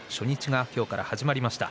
今日から始まりました。